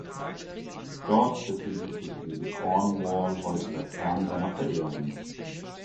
Dort befindet sich neben Cornwall heute der Kern seiner Verehrung.